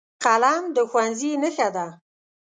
قلم د ښوونځي نښه ده